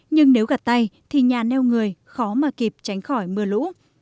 nhưng nếu gặt tay thì nhà neo người khó mà kịp tránh khỏi mưa lũ